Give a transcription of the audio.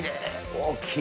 大きい！